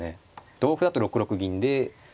同歩だと６六銀で。